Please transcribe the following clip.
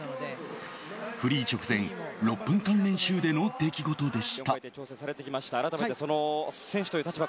フリー直前６分間練習での出来事でした。